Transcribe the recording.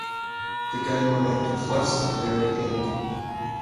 The game remained close to the very end.